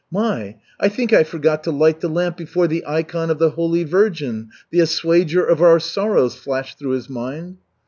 "My, I think I forgot to light the lamp before the ikon of the Holy Virgin, the Assuager of Our Sorrows," flashed through his mind.